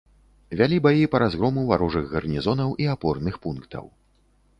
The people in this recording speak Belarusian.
Вялі баі па разгрому варожых гарнізонаў і апорных пунктаў.